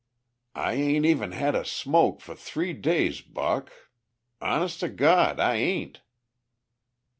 "I ain't even had a smoke for three days, Buck. Hones' to Gawd, I ain't."